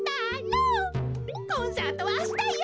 コンサートはあしたよ！